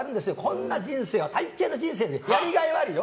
こんな人生は大変な人生で、やりがいはあるよ。